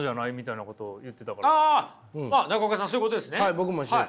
僕も一緒です。